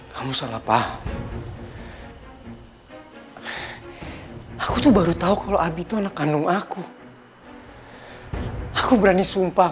kamu salah paham aku aku tuh baru tahu kalau abi itu anak kandung aku aku berani sumpah